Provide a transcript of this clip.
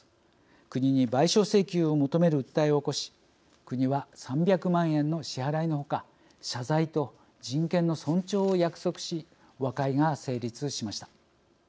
国に賠償請求を求める訴えを起こし国は３００万円の支払いの他謝罪と人権の尊重を約束し和解が成立しました。